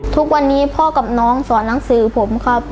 ทุกวันนี้พ่อกับน้องสอนหนังสือผมครับ